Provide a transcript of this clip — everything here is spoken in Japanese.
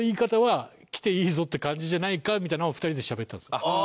みたいなのを２人でしゃべったんですよ。